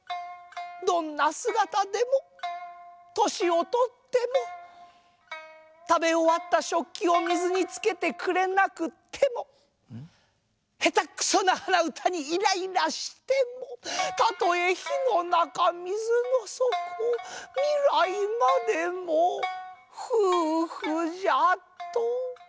どんなすがたでもとしをとってもたべおわったしょっきを水につけてくれなくってもへたくそなはなうたにイライラしてもたとえ火の中水の底未来までも夫婦じゃと。